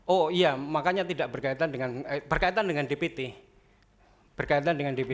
oh iya makanya tidak berkaitan dengan berkaitan dengan dpt